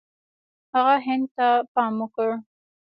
هغه هند ته پام وکړ.